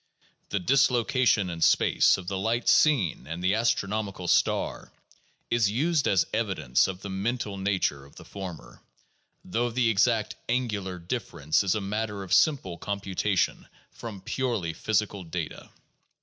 The dislocation in space of the light seen and the astronomical star is used as evidence of the mental nature of the former, though the exact angular difference is a matter of simple computation from purely physical data.